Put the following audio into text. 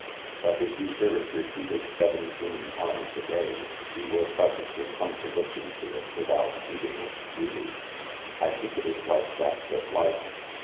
But if you hear it repeated seven teen times a day, you will presently come to listen to it without heeding its beauty. I think it is like that with life.